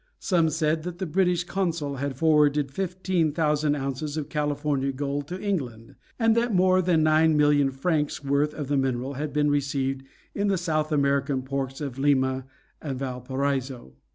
Some said that the British Consul had forwarded fifteen thousand ounces of California gold to England, and that more than nine million francs' worth of the mineral had been received in the South American ports of Lima and Valparaiso.